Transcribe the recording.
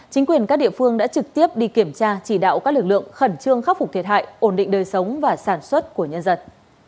chính quyền các địa phương đã trực tiếp đi kiểm tra chỉ đạo các lực lượng khẩn trương khắc phục thiệt hại ổn định đời sống và sản xuất của nhân dân